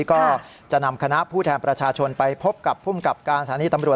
ก็จะนำคณะผู้แทนประชาชนไปพบกับภูมิกับการสถานีตำรวจ